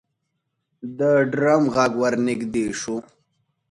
د ډرم غږ ورنږدې شو.